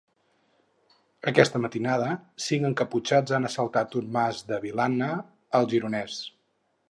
Aquesta matinada, cinc encaputxats han assaltat un mas de Vilanna, al Gironès.